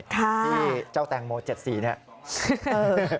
ที่เจ้าแต่งโม๗สีนี่